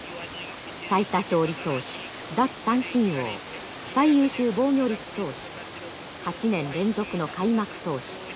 最多勝利投手奪三振王最優秀防御率投手８年連続の開幕投手。